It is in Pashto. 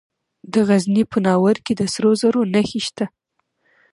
د غزني په ناوور کې د سرو زرو نښې شته.